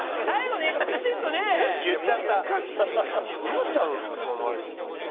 稲ちゃんがそう思われてるのかな？